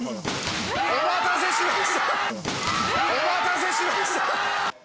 お待たせしました！